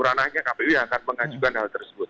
ranahnya kpu yang akan mengajukan hal tersebut